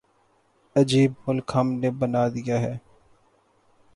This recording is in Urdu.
عجیب ملک ہم نے بنا دیا ہے۔